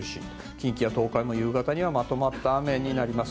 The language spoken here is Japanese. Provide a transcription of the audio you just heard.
近畿や東海も夕方にはまとまった雨になります。